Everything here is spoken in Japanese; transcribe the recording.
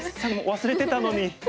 忘れてたのに。